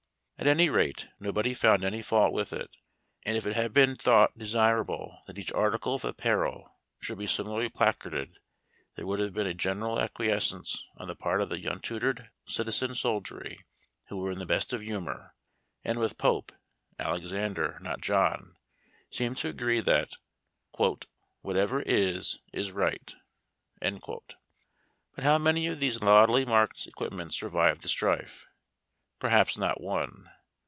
At any rate, nobody found any fault with it ; and if it had been thought desirable that each article of apparel should be simi larly placarded, there would have been a general acquies cence on the part of the untutored citizen soldiery, who were in the best of humor, and with Pope (Alexander not John) seemed to agree that " Whatever is is right." But how many of these loudly marked equipments survived the strife? Perhaps not one.